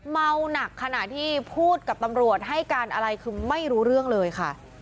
เมาหนักขณะที่พูดกับตำรวจให้การอะไรคือไม่รู้เรื่องเลยค่ะ